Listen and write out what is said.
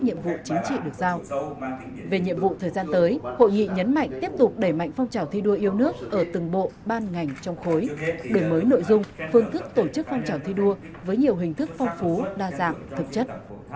nhiệm vụ chính trị được giao về nhiệm vụ thời gian tới hội nghị nhấn mạnh tiếp tục đẩy mạnh phong trào thi đua yêu nước ở từng bộ ban ngành trong khối đổi mới nội dung phương thức tổ chức phong trào thi đua với nhiều hình thức phong phú đa dạng thực chất